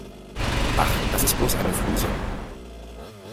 Ach, das ist bloß eine Fluse.